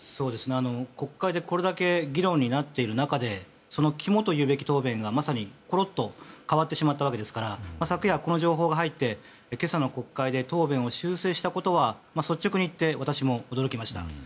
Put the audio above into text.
国会でこれだけ議論になっている中で肝というべき答弁がころっと変わってしまったわけですから昨夜、この情報が入って今朝の国会で答弁を修正したことは率直に言って私も驚きました。